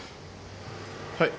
はい。